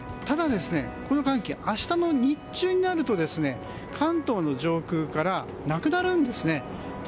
ただ、この寒気明日の日中になると関東の上空からなくなるんですね。